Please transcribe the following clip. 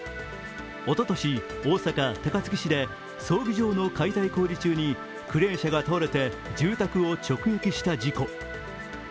おととし、大阪・高槻市で葬儀場の解体工事中にクレーン車が倒れて住宅を直撃した事故。